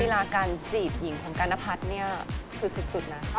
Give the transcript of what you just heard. ลาการจีบหญิงของกานพัฒน์เนี่ยคือสุดนะ